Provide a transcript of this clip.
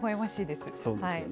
そうですよね。